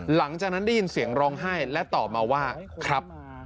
หลังจากนั้นได้ยินเสียงร้องไห้และตอบมาว่าครับ